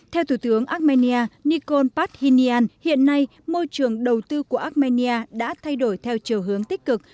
theo thủ tướng armenia nikol pashinyan hiện nay môi trường đầu tư của armenia đã thay đổi theo chiều hướng tích cực